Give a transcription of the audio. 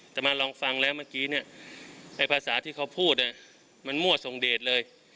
แต่มาลองฟังแล้วเมื่อกี้ภาษาที่เขาพูดมันมั่วสงเดชเลย